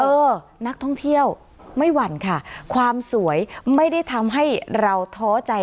เออนักท่องเที่ยวไม่หวั่นค่ะความสวยไม่ได้ทำให้เราท้อใจ